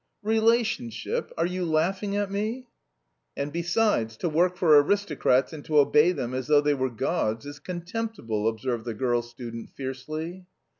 "Relationship? Are you laughing at me?" "And besides, to work for aristocrats and to obey them as though they were gods is contemptible!" observed the girl student fiercely.